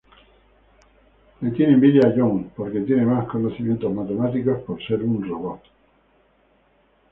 Le tiene envidia a Jones porque tiene más conocimientos matemáticos, por ser un robot.